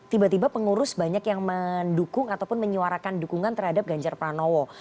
tiba tiba pengurus banyak yang mendukung ataupun menyuarakan dukungan terhadap ganjar pranowo